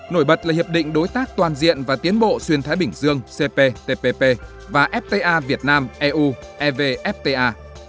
nổi bật là hiệp định đối tác toàn diện và tiến bộ xuyên thái bình dương cptpp và fta việt nam eu evfta